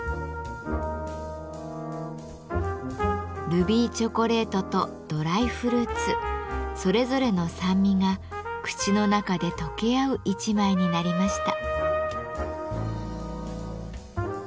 ルビーチョコレートとドライフルーツそれぞれの酸味が口の中で溶け合う１枚になりました。